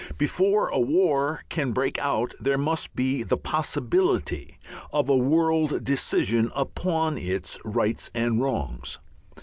Before a war can break out there must be the possibility of a world decision upon its rights and wrongs.